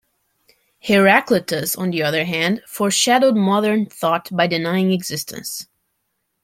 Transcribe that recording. Heraclitus, on the other hand, foreshadowed modern thought by denying existence.